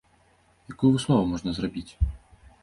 Якую выснову можна зрабіць?